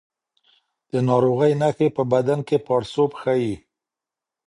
د ناروغۍ نښې په بدن کې پاړسوب ښيي.